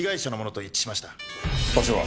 場所は？